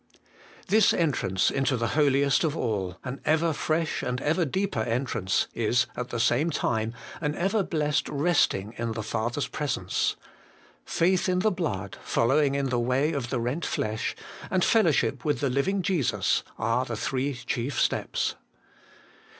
3. This entrance into the Holiest of all an ever fresh and ever deeper entrance is, at the same time, an ever blessed resting in the Father's Presence. Faith in the blood, following in the way of the rent flesh, and fellowship with the Living Jesus, are the three chief steps.